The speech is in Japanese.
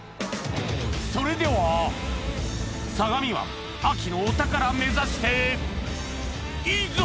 それでは相模湾秋のお宝目指していざ！